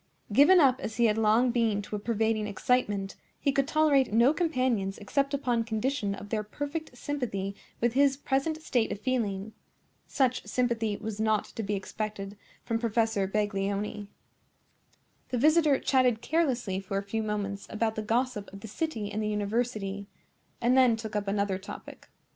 Given up as he had long been to a pervading excitement, he could tolerate no companions except upon condition of their perfect sympathy with his present state of feeling. Such sympathy was not to be expected from Professor Baglioni. The visitor chatted carelessly for a few moments about the gossip of the city and the university, and then took up another topic.